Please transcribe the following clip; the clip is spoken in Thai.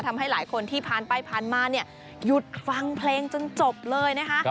ทำให้หลายคนที่ผ่านไปผ่านมาเนี่ยหยุดฟังเพลงจนจบเลยนะคะ